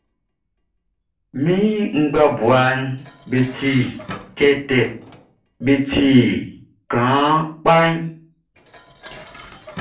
Mi ngbabuaʼm be ti tɛtɛ, be ti kaan kpa.